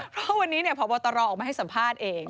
เพราะวันนี้พบตรออกมาให้สัมภาษณ์เอง